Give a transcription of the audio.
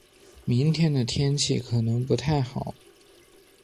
明天的天气可能不太好。